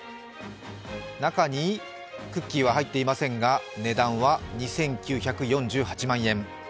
中にクッキーは入っていませんが値段は２９４８万円。